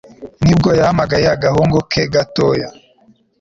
Nibwo yahamagaye agahungu ke gatoya